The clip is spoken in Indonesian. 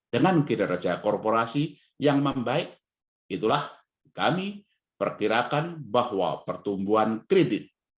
dengan kinerja korporasi yang membaik itulah kami perkirakan bahwa pertumbuhan kredit